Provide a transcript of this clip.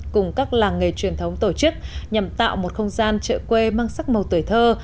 cùng các làng nghề truyền thống tổ chức nhằm tạo một không gian chợ quê mang sắc màu tuổi thơ